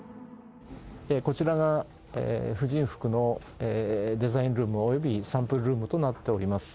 こちらが婦人服のデザインルーム及びサンプルルームとなっております。